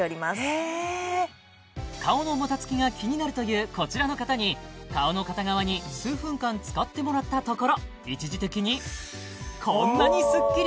・へえ顔のもたつきが気になるというこちらの方に顔の片側に数分間使ってもらったところ一時的にこんなにスッキリ！